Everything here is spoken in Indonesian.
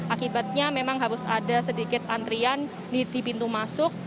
akibatnya memang harus ada sedikit antrian di pintu masuk